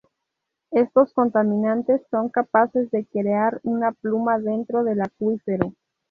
Estos contaminantes son capaces de crear una pluma dentro del acuífero.